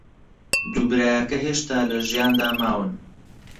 دوو برایەکە هێشتا لە ژیاندا ماون.